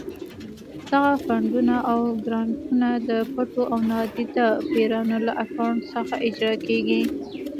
دغه فنډونه او ګرانټونه د پټو او نادیده پیریانو له اکاونټ څخه اجرا کېږي.